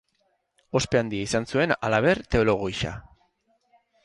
Ospe handia izan zuen, halaber, teologo gisa.